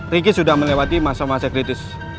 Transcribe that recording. ricky sudah melewati masa masa kritis